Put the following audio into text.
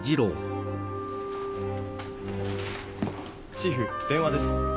チーフ電話です。